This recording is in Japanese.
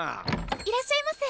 いらっしゃいませ。